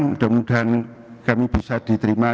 mudah mudahan kami bisa diterima